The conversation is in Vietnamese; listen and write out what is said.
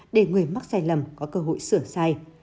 để người mắc sai lầm có cơ hội sửa sai